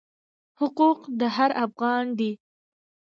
حقوق د هر افغان دی.